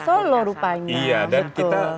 solo rupanya iya dan kita